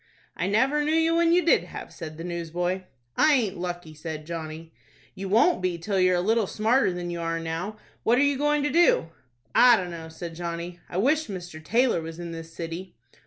"I never knew you when you did have," said the newsboy. "I aint lucky," said Johnny. "You won't be till you're a little smarter than you are now. What are you going to do?" "I dunno," said Johnny. "I wish Mr. Taylor was in this city."